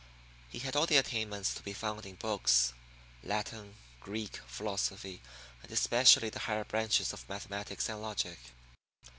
He had all the attainments to be found in books Latin, Greek, philosophy, and especially the higher branches of mathematics and logic.